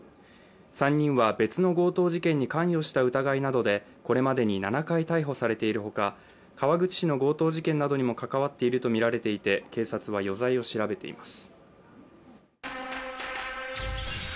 ３人は、別の強盗事件に関与した疑いなどでこれまでに７回逮捕されているほか川口市の強盗事件などにもかかわっているとみられていて警察は余罪を調べています。